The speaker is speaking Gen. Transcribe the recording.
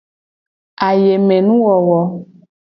Ayemenuwowo.